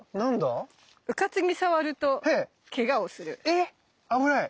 え⁉危ない？